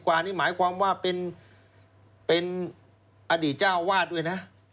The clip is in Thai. กว่านี่หมายความว่าเป็นอดีตเจ้าวาดด้วยนะ